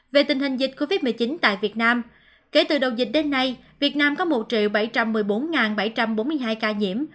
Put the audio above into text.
về tình hình dịch covid một mươi chín tại việt nam kể từ đầu dịch đến nay việt nam có một bảy trăm một mươi bốn bảy trăm bốn mươi hai ca nhiễm